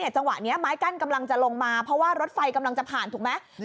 จังหวะนี้ไม้กั้นกำลังจะลงมาเพราะว่ารถไฟกำลังจะผ่านถูกไหม